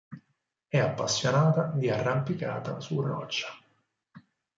È appassionata di arrampicata su roccia.